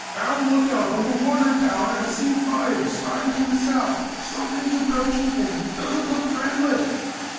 "Our lookout on the water tower has seen fires starting to the south. Something's approaching, and it doesn't look friendly."